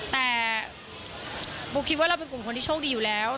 แต่ปูคิดว่าเราเป็นกลุ่มคนที่โชคดีอยู่แล้ว